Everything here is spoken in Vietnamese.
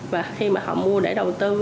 và khi mà họ mua để đầu tư